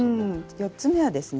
４つ目はですね